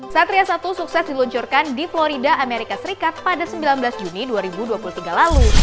satria satu sukses diluncurkan di florida amerika serikat pada sembilan belas juni dua ribu dua puluh tiga lalu